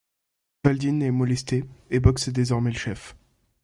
Valdine est molesté et Box est désormais le chef.